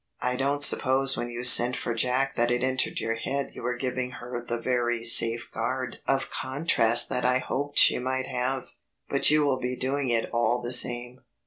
"I don't suppose when you sent for Jack that it entered your head you were giving her the very safeguard of contrast that I hoped she might have, but you will be doing it all the same."